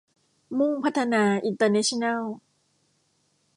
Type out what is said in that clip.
มุ่งพัฒนา อินเตอร์แนชชั่นแนล